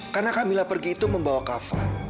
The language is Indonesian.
karena kamila pergi itu membawa kafa